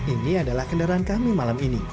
ini adalah kendaraan kami malam ini